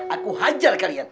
aku hajar kalian